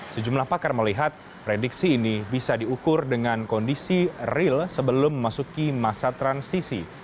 sejumlah pakar melihat prediksi ini bisa diukur dengan kondisi real sebelum memasuki masa transisi